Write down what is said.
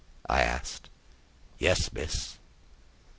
I asked. "Yes, miss."